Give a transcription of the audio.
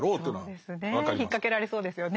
そうですね引っ掛けられそうですよね。